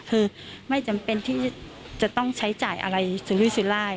คือไม่จำเป็นที่จะต้องใช้จ่ายอะไรสื่อร่าย